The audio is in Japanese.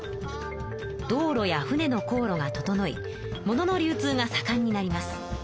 道路や船の航路が整いものの流通がさかんになります。